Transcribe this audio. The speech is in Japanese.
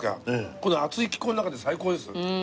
この暑い気候の中で最高です。